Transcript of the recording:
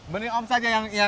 mending om saja yang pakai ya